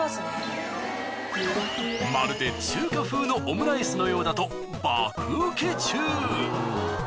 まるで中華風のオムライスのようだと爆ウケ中。